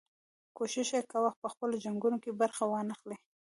کوښښ یې کاوه پخپله په جنګونو کې برخه وانه خلي.